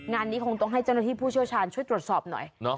งานนี้คงต้องให้เจ้าหน้าที่ผู้เชี่ยวชาญช่วยตรวจสอบหน่อย